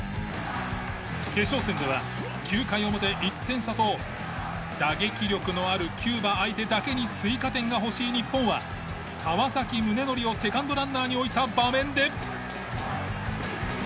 決勝戦では９回表１点差と打撃力のあるキューバ相手だけに追加点が欲しい日本は川宗則をセカンドランナーに置いた場面で。